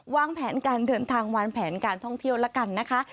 วางแผนการเดินทางวางแผนการท่องเที่ยวแล้วกันนะคะ